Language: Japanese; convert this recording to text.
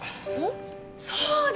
そうだ！